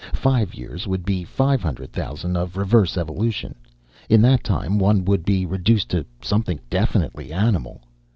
Five years would be five hundred thousand of reverse evolution in that time, one would be reduced to something definitely animal.